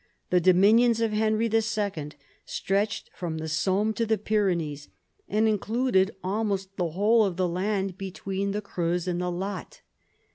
The dominions of Henry II. stretched from the Somme to the Pyrenees, and included almost the whole of the land between the Creuse and the Lot.